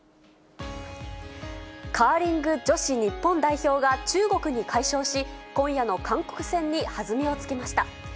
カーリング女子日本代表が、中国に快勝し、今夜の韓国戦に弾みをつけました。